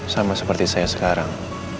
sama seperti saya sekarang